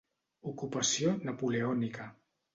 Ocupació napoleònica.